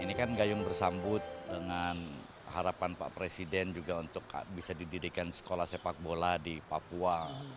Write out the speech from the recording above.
ini kan gayung bersambut dengan harapan pak presiden juga untuk bisa didirikan sekolah sepak bola di papua